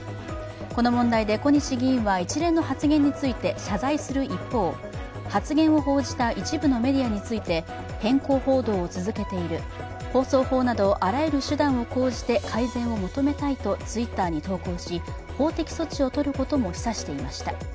この問題で小西議員は一連の発言について謝罪する一方、発言を報じた一部のメディアに対して偏向報道を続けている、放送法などあらゆる手段を講じて改善を求めたいとＴｗｉｔｔｅｒに投稿し法的措置を取ることも示唆していました。